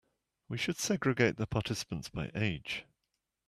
We should segregate the participants by age.